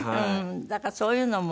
だからそういうのも。